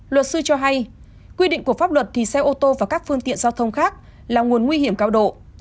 luật sư cho hay quy định của pháp luật thì xe ô tô và các phương tiện giao thông khác là nguồn nguy hiểm cao độ